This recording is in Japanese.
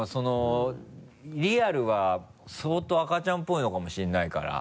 リアルは相当赤ちゃんっぽいのかもしれないから。